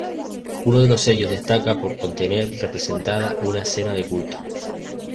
Uno de los sellos destaca por contener representada una escena de culto.